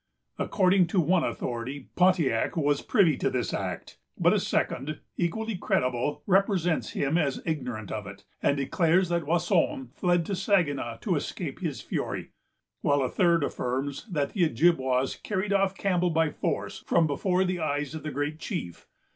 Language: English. According to one authority, Pontiac was privy to this act; but a second, equally credible, represents him as ignorant of it, and declares that Wasson fled to Saginaw to escape his fury; while a third affirms that the Ojibwas carried off Campbell by force from before the eyes of the great chief.